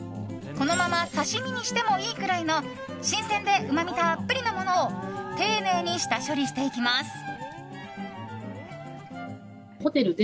このまま刺し身にしていいくらいの新鮮でうまみたっぷりのものを丁寧に下処理していきます。